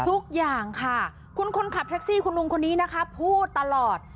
ทุกอย่างค่ะคุณคนขับแท็กซี่คุณลุงคนนี้นะคะพูดตลอด